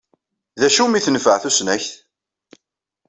D acu umi tenfeɛ tusnakt?